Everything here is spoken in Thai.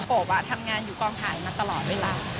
บทำงานอยู่กองถ่ายมาตลอดเวลา